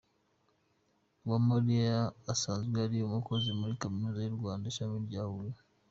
Uwamariya asanzwe ari umukozi muri Kaminuza y’u Rwanda, ishami rya Huye.